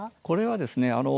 これはですね